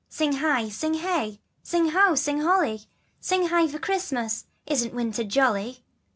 Sing hie, sing hey, Sing ho, Sing holly, Sing hie for Christmas! Isn't winter jolly